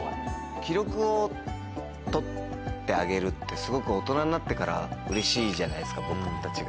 記録を取ってあげるって、すごく大人になってからうれしいじゃないですか、僕たちが。